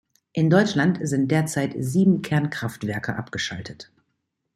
In Deutschland sind derzeit sieben Kernkraftwerke abgeschaltet.